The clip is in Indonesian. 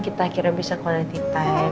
kita akhirnya bisa quality time